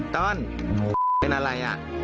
ต้นเป็นอะไร